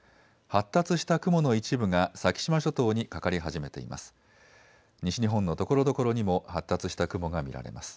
発達した雲の一部が先島諸島にかかり始めています。